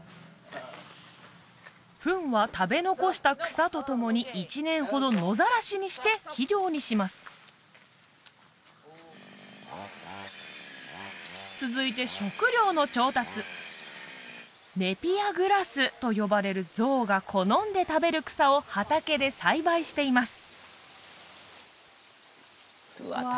フンは食べ残した草と共に１年ほど野ざらしにして肥料にします続いて食糧の調達と呼ばれるゾウが好んで食べる草を畑で栽培しています